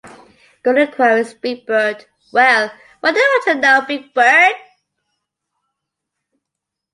Gordon queries Big Bird, Well, why do you want to know, Big Bird?